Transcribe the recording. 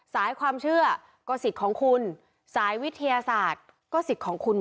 สายความเชื่อก็สิทธิของคุณ